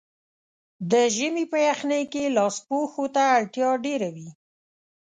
د ژمي په یخنۍ کې لاسپوښو ته اړتیا ډېره وي.